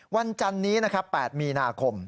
วันจันนี้๘มีนาคม